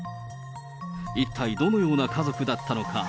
一体どのような家族だったのか。